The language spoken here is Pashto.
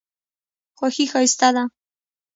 خوښي ښایسته ده.